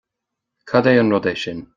Cad é an rud é sin